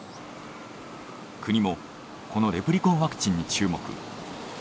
国もこのレプリコンワクチンに注目。